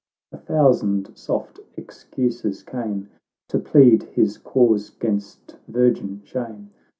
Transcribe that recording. A thousand soft excuses came, To plead his cause 'gainst virgin shame.